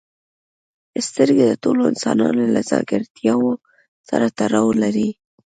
سترګې د ټولو انسانانو له ځانګړتیاوو سره تړاو لري.